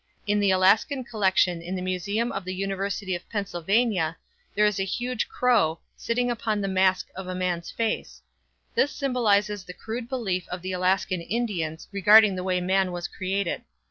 In the Alaskan collection in the museum of the University of Pennsylvania there is a huge crow, sitting upon the mask of a man's face. This symbolizes the crude belief of the Alaskan Indians regarding the way man was created.